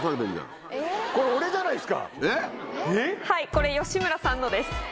はいこれ吉村さんのです。